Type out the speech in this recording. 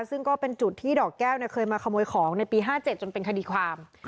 ซึ่งก็เป็นจุดที่ดอกแก้วเคยมาขโมยของในปี๕๗จนเป็นคดีความ